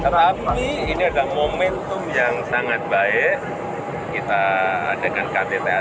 rami ini adalah momentum yang sangat baik